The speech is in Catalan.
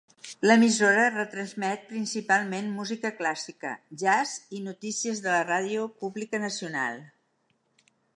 L'emissora retransmet principalment música clàssica, jazz i notícies de la Ràdio Pública Nacional.